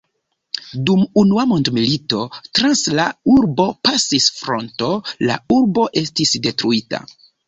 Dum Unua mondmilito trans la urbo pasis fronto, la urbo estis detruita.